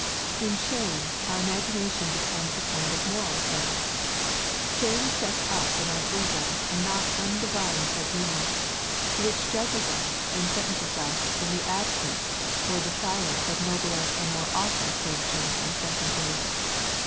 In shame, our imagination becomes a kind of moral sense. Shame sets up in our bosom a not undivine tribunal, which judges us and sentences us in the absence or the silence of nobler and more awful sanctions and sentences.